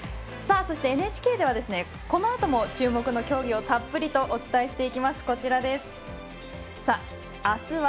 そして、ＮＨＫではこのあとも注目の競技をたっぷりとお伝えしていきます。